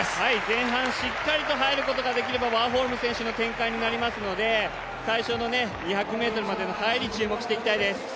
前半、しっかりと入ることができればワーホルム選手の展開になりますので最初の２００ｍまでの入り、注目していきたいです。